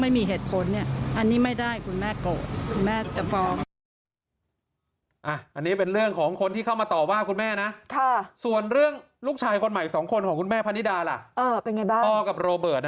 ไม่มีเหตุผลนี่อันนี้ไม่ได้คุณแม่โกรธ